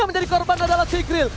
yang menjadi korban adalah sigril